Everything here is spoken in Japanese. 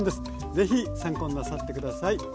ぜひ参考になさってください。